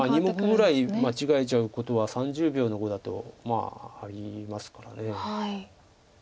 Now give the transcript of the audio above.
２目ぐらい間違えちゃうことは３０秒の碁だとまあありますから。